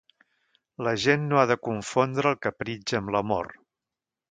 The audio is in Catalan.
La gent no ha de confondre el capritx amb l'amor.